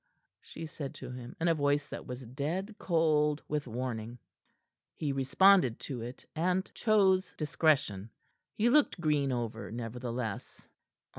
she said to him in a voice that was dead cold with warning. He responded to it, and chose discretion. He looked Green over, nevertheless.